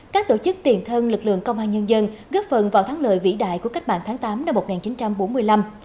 các tổ chức tiền thân lực lượng công an nhân dân góp phần vào thắng lợi vĩ đại của cách mạng tháng tám năm một nghìn chín trăm bốn mươi năm